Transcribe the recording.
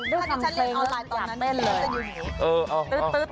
ด้วยสังเกณฑ์กลับแม่นเลย